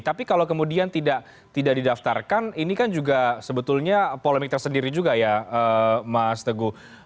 tapi kalau kemudian tidak didaftarkan ini kan juga sebetulnya polemik tersendiri juga ya mas teguh